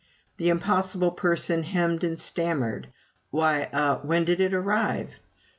The impossible person hemmed and stammered: "Why er when did it arrive?"